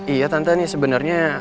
iya tante nih sebenernya